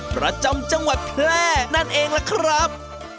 ประจำจังหวัดแพร่นั่นเองล่ะครับ